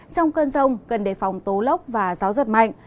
trong cơn rông cần đề phòng tố lốc và gió giật mạnh